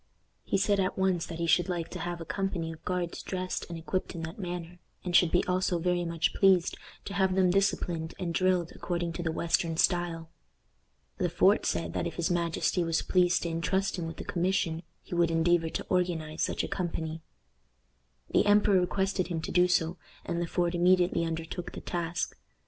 He said at once that he should like to have a company of guards dressed and equipped in that manner, and should be also very much pleased to have them disciplined and drilled according to the western style. Le Fort said that if his majesty was pleased to intrust him with the commission, he would endeavor to organize such a company. The emperor requested him to do so, and Le Port immediately undertook the task.